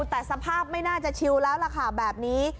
แต่สภาพไม่น่าจะชิวแล้วล่ะค่ะแบบนี้